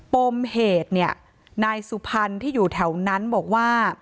ปมเหตุเนี่ยนายสุพรรณที่อยู่แถวนั้นบอกว่า